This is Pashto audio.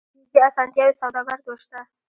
د ویزې اسانتیاوې سوداګرو ته شته